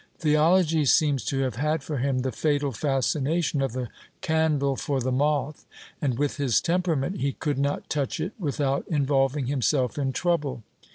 Theology seems to have had for him the fatal fascination of the candle for the moth and, with his temperament, he could not touch it without involving himself in trouble.